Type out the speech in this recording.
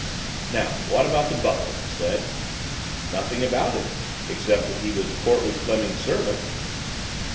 "Now, what about the butler?" he said. "Nothing about him except that he was Courtleigh Fleming's servant."